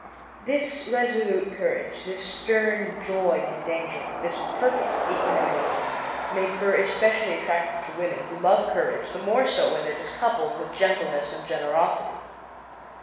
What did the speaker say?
This resolute courage, this stern joy in danger, this perfect equanimity, made Burr especially attractive to women, who love courage, the more so when it is coupled with gentleness and generosity.